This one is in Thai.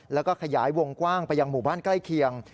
แล้วก็ขยายวงกว้างไปยังหมู่บ้านใกล้เคียง